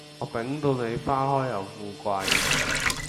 我抦到你花開又富貴